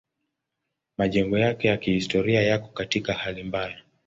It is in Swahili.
Majengo yake ya kihistoria yako katika hali mbaya.